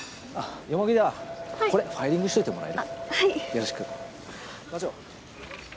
よろしく。